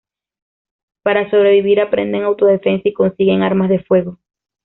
Para sobrevivir aprenden autodefensa y consiguen armas de fuego.